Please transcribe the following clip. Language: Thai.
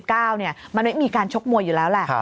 มันไม่มีการชกมวยอยู่แล้วแหละ